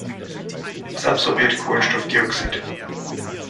Es absorbiert Kohlenstoffdioxid.